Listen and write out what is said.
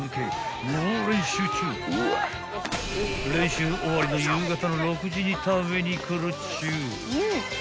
［練習終わりの夕方の６時に食べに来るっちゅう］